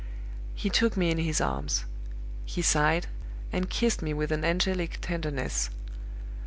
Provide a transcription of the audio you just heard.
"He took me in his arms. He sighed, and kissed me with an angelic tenderness.